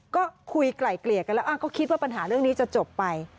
ก็คุยไกล่เกลี่ยกันแล้วก็คิดว่าปัญหาเรื่องนี้จะจบไป